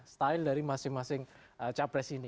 style dari masing masing capres ini